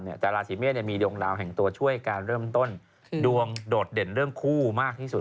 แต่ราศีเมษมีดวงดาวแห่งตัวช่วยการเริ่มต้นดวงโดดเด่นเรื่องคู่มากที่สุด